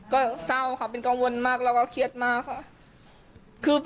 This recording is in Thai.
ก็เศร้าค่ะเป็นกังวลมากแล้วก็เครียดมากค่ะ